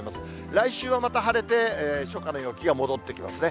来週はまた晴れて、初夏の陽気が戻ってきますね。